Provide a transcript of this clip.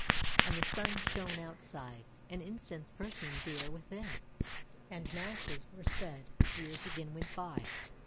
And the sun shone outside and incense perfumed the air within, and masses were said. Years again went by.